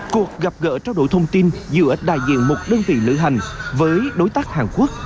cuộc gặp gỡ trao đổi thông tin giữa đại diện một đơn vị lữ hành với đối tác hàn quốc